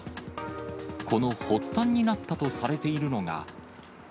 この発端になったとされているのが。